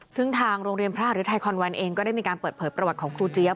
ซึ่งทางโรงเรียนพระฤทัยคอนวันเองก็ได้มีการเปิดเผยประวัติของครูเจี๊ย